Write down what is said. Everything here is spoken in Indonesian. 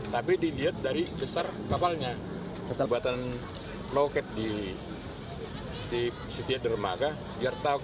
sendiri saja waktu itu